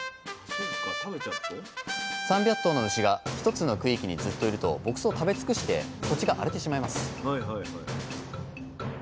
３００頭の牛が一つの区域にずっといると牧草を食べつくして土地が荒れてしまいます